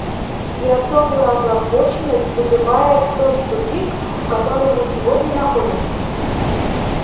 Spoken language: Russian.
И особую озабоченность вызывает тот тупик, в котором мы сегодня находимся.